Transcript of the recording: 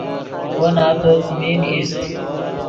وو نتو څیمین ایست